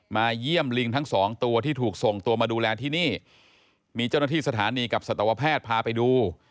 เยี่ยมลิงทั้งสองตัวที่ถูกส่งตัวมาดูแลที่นี่มีเจ้าหน้าที่สถานีกับสัตวแพทย์พาไปดู